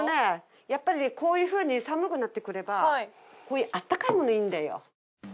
やっぱりねこういうふうに寒くなってくればこういうあったかいものいいんだよ。